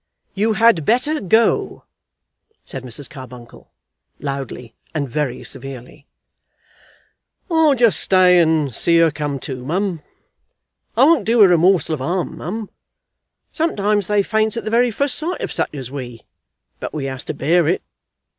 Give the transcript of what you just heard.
"You had better go," said Mrs. Carbuncle, loudly and very severely. "I'll just stay and see her come to, mum. I won't do her a morsel of harm, mum. Sometimes they faints at the very fust sight of such as we; but we has to bear it.